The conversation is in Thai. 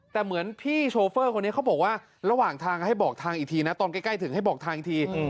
แต่เหมือนพี่โชเฟอร์คนนี้เขาบอกว่าระหว่างทางให้บอกทางอีกทีนะตอนใกล้ถึงให้บอกทางอีกที